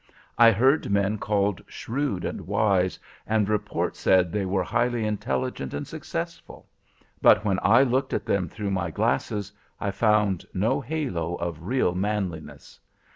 I heard men called shrewd and wise, and report said they were highly intelligent and successful. But when I looked at them through my glasses, I found no halo of real manliness.